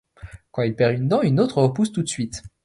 Quand il perd une dent, une autre repousse tout de suite.